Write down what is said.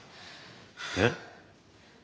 えっ？